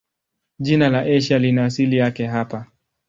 Jina la Asia lina asili yake hapa.